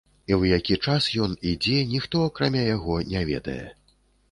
І ў які час ён і дзе, ніхто акрамя яго не ведае.